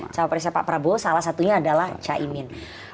cawapresnya pak prabowo salah satunya adalah caimin